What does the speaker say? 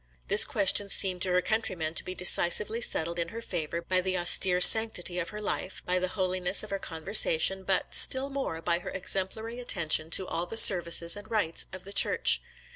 This question seemed to her countrymen to be decisively settled in her favour, by the austere sanctity of her life, by the holiness of her conversation, but, still more, by her exemplary attention to all the services and rites of the Church.